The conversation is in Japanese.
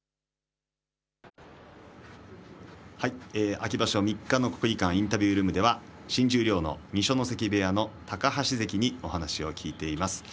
秋場所三日目の国技館インタビュールームでは新十両の二所ノ関部屋の高橋関にお話を聞いています。